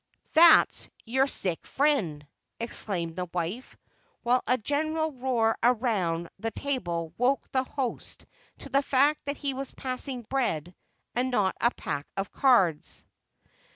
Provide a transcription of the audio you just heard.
"That's your 'sick friend!'" exclaimed the wife, while a general roar around the table woke the host to the fact that he was passing bread, and not a pack of cards.